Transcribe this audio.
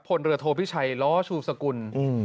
พลเรือโทพิชัยล้อชูสกุล